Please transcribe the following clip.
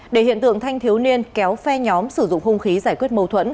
để hiện tượng thanh thiếu niên kéo phe nhóm sử dụng hung khí giải quyết mâu thuẫn